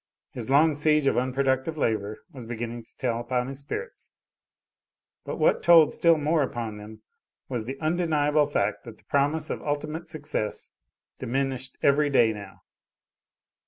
His long siege of unproductive labor was beginning to tell upon his spirits; but what told still more upon them was the undeniable fact that the promise of ultimate success diminished every day, now.